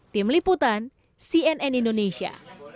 tim liputan cnn indonesia